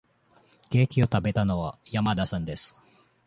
ケーキを食べたのは山田さんです。